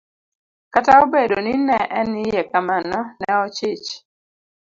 Kataobedo ni ne en iye kamano, ne ochich.